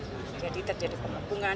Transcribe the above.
jadi terjadi pemukungan